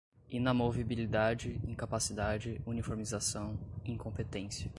inamovibilidade, incapacidade, uniformização, incompetência